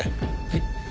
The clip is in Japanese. はい？